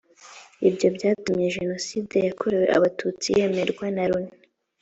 ibyo byatumye jenoside yakorewe abatutsi yemerwa na loni